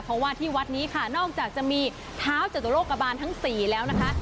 เพราะว่าที่วัดนี้ค่ะนอกจากจะมีเท้าจตุโรคบาลทั้งสี่แล้วนะคะ